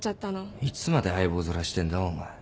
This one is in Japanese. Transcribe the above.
いつまで相棒面してんだお前。